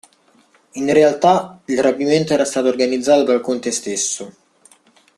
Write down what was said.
In realtà il rapimento era stato organizzato dal conte stesso.